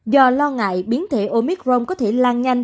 do lo ngại biến thể omicron có thể lan nhanh